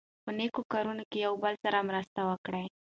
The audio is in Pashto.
په نېکو کارونو کې یو بل سره مرسته وکړئ.